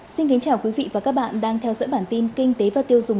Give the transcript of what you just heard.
xin kính chào quý vị và các bạn đang theo dõi bản tin kinh tế và tiêu dùng